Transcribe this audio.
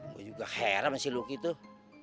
gue juga heran si lucky tuh